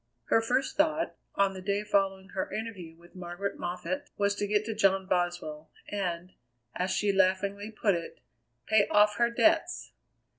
Her first thought, on the day following her interview with Margaret Moffatt, was to get to John Boswell, and, as she laughingly put it, pay off her debts!